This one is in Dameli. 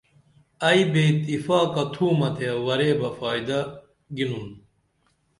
ائی بے اتفاقہ تُھمہ تے ورے بہ فائدہ گِنُون